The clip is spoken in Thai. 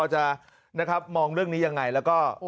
จะนะครับมองเรื่องนี้ยังไงแล้วก็